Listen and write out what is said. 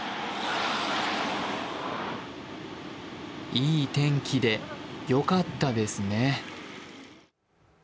いい天気でよかったですね。